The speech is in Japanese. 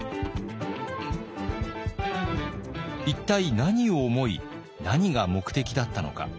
一体何を思い何が目的だったのか。